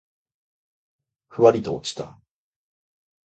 鳥の羽がふわりと落ちた。